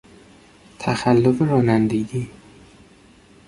تخلف رانندگی